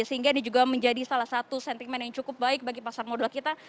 sehingga ini juga menjadi salah satu sentimen yang cukup baik bagi pasar modal kita